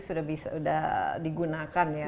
sudah digunakan ya